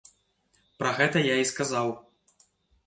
Пра гэта я і сказаў.